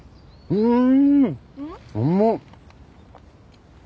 うん。